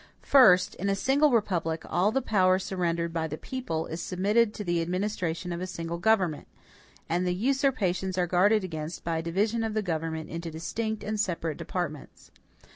First. In a single republic, all the power surrendered by the people is submitted to the administration of a single government; and the usurpations are guarded against by a division of the government into distinct and separate departments.